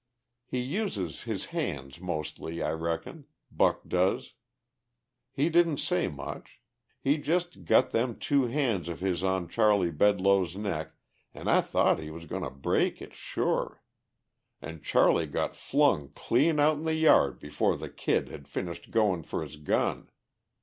He uses his hands, mostly, I reckon, Buck does. He didn't say much. He just got them two hands of his on Charley Bedloe's neck, an' I thought he was goin' to break it sure. An' Charley got flung clean out in the yard before the Kid had finished going for his gun!